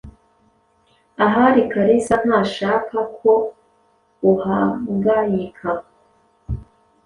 Ahari Kalisa ntashaka ko uhangayika.